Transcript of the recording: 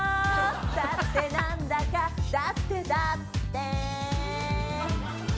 「だってなんだかだってだって」